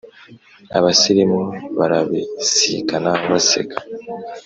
Abasirimu barabisikana baseka